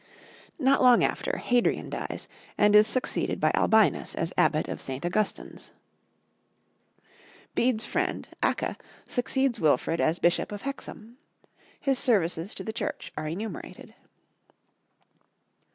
Not long after, Hadrian dies and is succeeded by Albinus as Abbot of St. Augustine's. Bede's friend, Acca, succeeds Wilfrid as Bishop of Hexham. His services to the Church are enumerated.